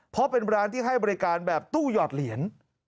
เพราะเป็นร้านที่ให้บริการแบบตู้หยอดเหรียญ